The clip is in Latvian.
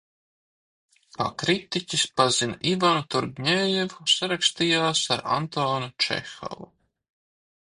Kā kritiķis pazina Ivanu Turgeņevu, sarakstījās ar Antonu Čehovu.